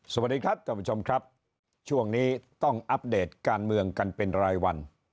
สวัสดีครับท่านผู้ชมครับช่วงนี้ต้องอัปเดตการเมืองกันเป็นรายวัน